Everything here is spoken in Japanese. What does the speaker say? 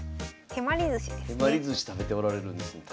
手まりずし食べておられるんですね。